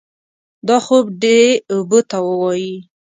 دا خوب دې اوبو ته ووايي.